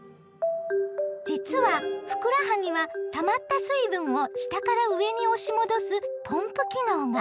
実はふくらはぎはたまった水分を下から上に押し戻すポンプ機能が。